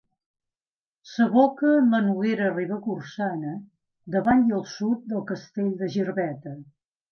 S'aboca en la Noguera Ribagorçana davant i al sud del Castell de Girbeta.